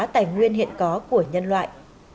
tài nguyên hiện có của nhân loại